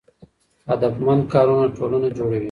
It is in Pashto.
هدفمند کارونه ټولنه جوړوي.